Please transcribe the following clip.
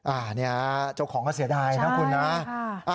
อ่าเนี่ยเจ้าของก็เสียดายนะคุณนะใช่ค่ะ